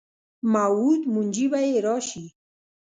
موعود منجي به یې راشي.